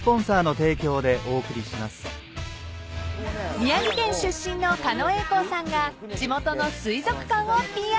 ［宮城県出身の狩野英孝さんが地元の水族館をＰＲ］